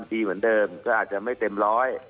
ดีเหมือนเดิมก็อาจจะไม่เต็มร้อย